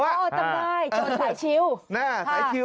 อ๋อทำไมจนถ่ายชิ้ว